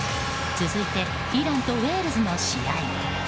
続いてイランとウェールズの試合。